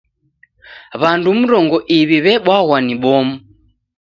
W'andu mrongo iw'i w'ebwaghwa ni bomu.